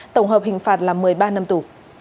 tổng hợp hình phạt là một mươi ba năm tù